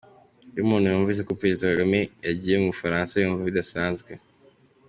Iyo umuntu yumvise ko Perezida Kagame yagiye mu bufaransa yumva bidasanzwe .